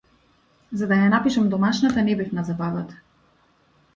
За да ја напишам домашната не бев на забавата.